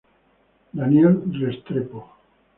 Daniel Restrepo.